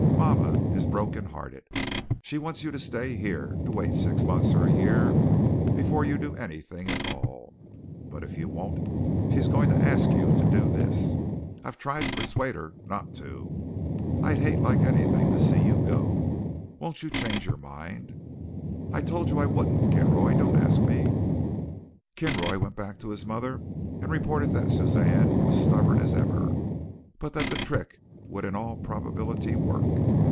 "Mama is broken hearted. She wants you to stay here, to wait six months or a year before you do anything at all, but if you won't, she's going to ask you to do this. I've tried to persuade her not to. I'd hate like anything to see you go. Won't you change your mind?" "I told you I wouldn't, Kinroy. Don't ask me." Kinroy went back to his mother and reported that Suzanne was stubborn as ever, but that the trick would in all probability work.